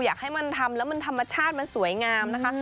อยากให้มันทำแล้วมันธรรมชาติมันสวยงามนะคะ